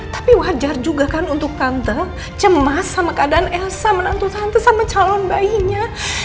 tapi wajar juga kan untuk tante cemas sama keadaan elsa menantu tante sama calon bayinya